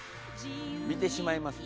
見てしまいますね。